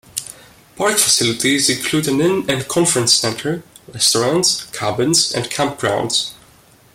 Park facilities include an inn and conference center, restaurant, cabins, and campgrounds.